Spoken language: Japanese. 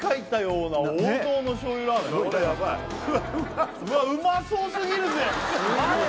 うまそうすぎるぜマジ！？